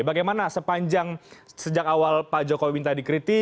bagaimana sepanjang sejak awal pak jokowi minta dikritik